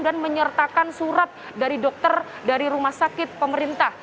dan menyertakan surat dari dokter dari rumah sakit pemerintah